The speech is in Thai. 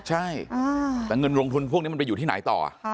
ใช่แต่เงินลงทุนพวกนี้มันไปอยู่ที่ไหนต่อ